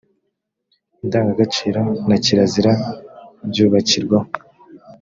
indangagaciro na kirazira byubakirwaho